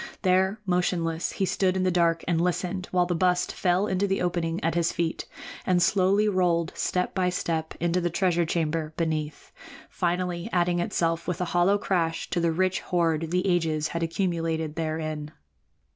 There, motionless, he stood in the dark and listened while the bust fell into the opening at his feet, and slowly rolled, step by step, into the treasure chamber beneath, finally adding itself with a hollow crash to the rich hoard the ages had accumulated therein.